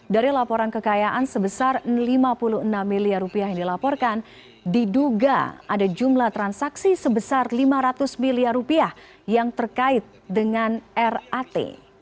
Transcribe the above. dari laporan kekayaan sebesar lima puluh enam miliar rupiah yang dilaporkan diduga ada jumlah transaksi sebesar lima ratus miliar rupiah yang terkait dengan rat